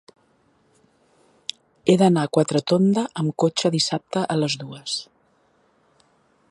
He d'anar a Quatretonda amb cotxe dissabte a les dues.